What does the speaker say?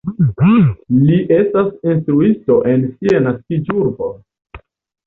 Li estas instruisto en sia naskiĝurbo.